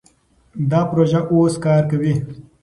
دا پروژه اوس کار کوي.